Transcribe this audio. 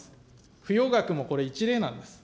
不用額もこれ、１例なんです。